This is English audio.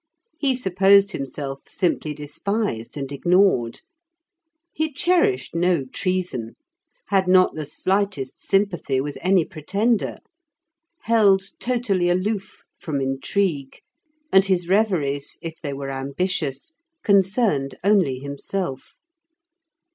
He supposed himself simply despised and ignored; he cherished no treason, had not the slightest sympathy with any pretender, held totally aloof from intrigue, and his reveries, if they were ambitious, concerned only himself.